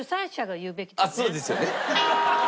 そうですよね。